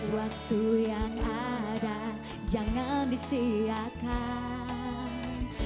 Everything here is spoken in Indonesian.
waktu yang ada jangan disiakan